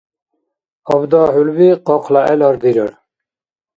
Абда хӀулби къакъла гӀелар дирар.